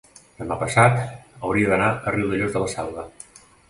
demà passat hauria d'anar a Riudellots de la Selva.